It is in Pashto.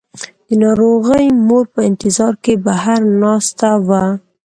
د ناروغې مور په انتظار کې بهر ناسته وه.